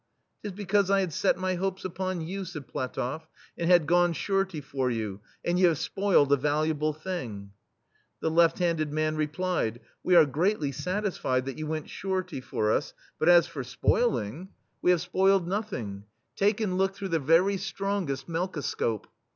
"*Tis because I had set my hopes upon you,'* said PlatofF, "and had gone surety for you, and you have spoiled a valuable thing. The left handed man replied : "We are greatly satisfied that you went surety for us, but as for spoiling — we have THE STEEL FLEA spoiled nothing : take and look through the very strongest melkoscope."